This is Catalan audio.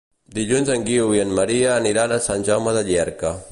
Dilluns en Guiu i en Maria aniran a Sant Jaume de Llierca.